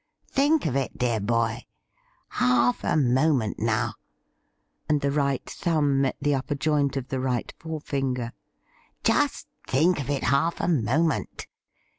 Think of it, deai* boy ! Half a moment now '— and the right thumb met the upper joint of the right forefinger. ' Just think of it half a moment.